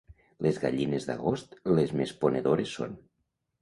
Les gallines d'agost les més ponedores són.